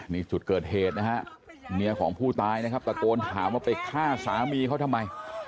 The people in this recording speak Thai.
นี่จุดเกิดเหตุนะฮะเมียของผู้ตายนะครับตะโกนถามว่าไปฆ่าสามีเขาทำไม